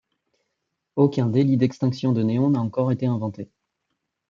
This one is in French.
Aucun délit d'extinction de néon n'a encore été inventé.